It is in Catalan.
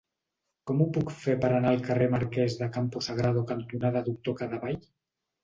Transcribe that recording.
Com ho puc fer per anar al carrer Marquès de Campo Sagrado cantonada Doctor Cadevall?